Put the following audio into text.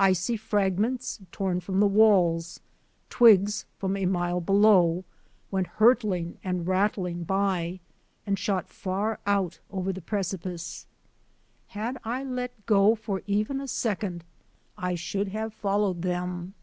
Icy fragments torn from the walls, twigs from a mile below, went hurtling and rattling by and shot far out over the precipice. Had I let go for even a second, I should have followed them.